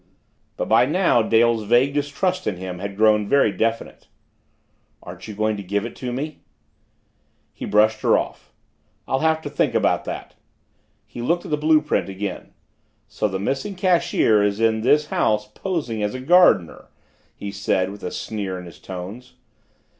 But by now Dale's vague distrust in him had grown very definite. "Aren't you going to give it to me?" He put her off. "I'll have to think about that." He looked at the blue print again. "So the missing cashier is in this house posing as a gardener?" he said with a sneer in his tones.